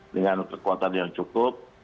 dengan kekuatan yang cukup